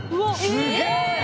すげえ！